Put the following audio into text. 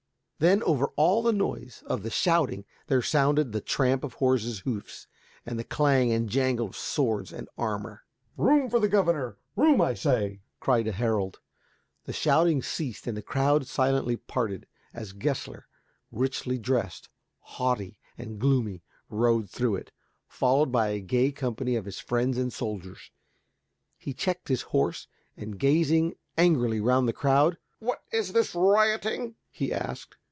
Then over all the noise of the shouting there sounded the tramp of horses' hoofs and the clang and jangle of swords and armor. "Room for the governor. Room, I say," cried a herald. The shouting ceased and the crowd silently parted, as Gessler, richly dressed, haughty and gloomy, rode through it, followed by a gay company of his friends and soldiers. He checked his horse and, gazing angrily round the crowd, "What is this rioting?" he asked.